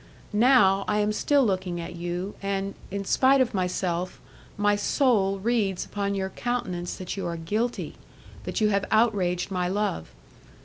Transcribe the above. Now, I am still looking at you, and, in spite of myself, my soul reads upon your countenance that you are guilty, that you have outraged my love.